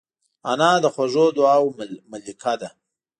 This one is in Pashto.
انا د خوږو دعاوو ملکه ده